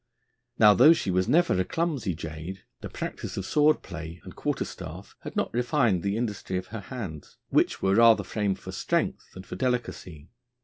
Now, though she was never a clumsy jade, the practice of sword play and quarterstaff had not refined the industry of her hands, which were the rather framed for strength than for delicacy.